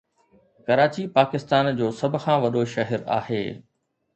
ڪراچي پاڪستان جو سڀ کان وڏو شھر آهي.